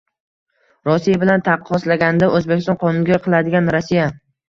Rossiya Bilan taqqoslaganda O'zbekiston qonunga qiladigan Rossiya